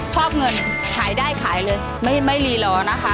ชอบเงินขายได้ขายเลยไม่รีรอนะคะ